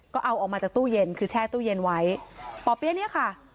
ก็เอาออกมาจากตู้เย็นคือแช่ตู้เย็นไว้ป่อเปี๊ยะเนี่ยค่ะ